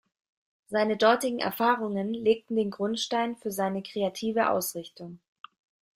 Seine dortigen Erfahrungen legten den Grundstein für seine kreative Ausrichtung.